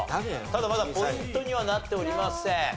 ただまだポイントにはなっておりません。